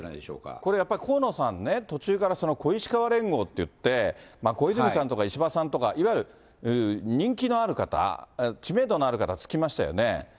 これやっぱり、河野さんね、途中からその小石河連合っていって、小泉さんとか石破さんとか、いわゆる人気のある方、知名度のある方つきましたよね。